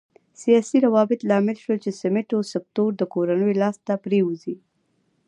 سیاسي روابط لامل شول چې سمنټو سکتور د کورنیو لاس ته پرېوځي.